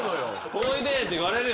「ほいで」って言われるよ